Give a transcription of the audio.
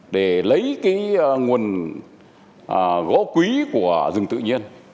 để lấy cái nguồn gỗ quý của rừng tự nhiên